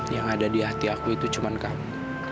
yang ada di hati aku itu cuma kamu